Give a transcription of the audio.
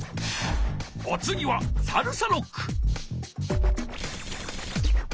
おつぎはサルサロック。